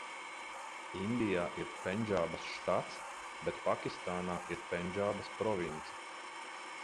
Indijā ir Pendžābas štats, bet Pakistānā ir Pendžābas province.